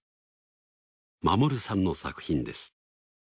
守さんの作品です。